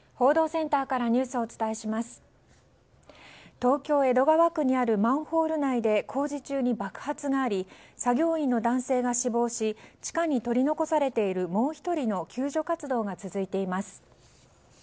東京・江戸川区にあるマンホール内で工事中に爆発があり作業員の男性が死亡し地下に取り残されているもう１人の救助活動が続いています。